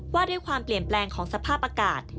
ว่าด้วยความเปลี่ยนแปลงของสภาพอากาศ